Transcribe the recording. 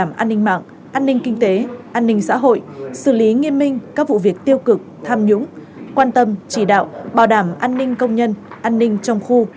an ninh mạng an ninh kinh tế an ninh xã hội xử lý nghiêm minh các vụ việc tiêu cực tham nhũng quan tâm chỉ đạo bảo đảm an ninh công nhân an ninh trong khu